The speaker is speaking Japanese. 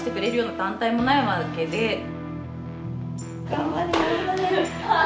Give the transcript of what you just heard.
頑張れ頑張れ。